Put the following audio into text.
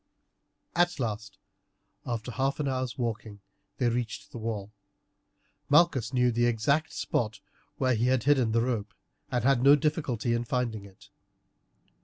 At last, after half an hour's walking, they reached the wall. Malchus knew the exact spot where he had hidden the rope, and had no difficulty in finding it.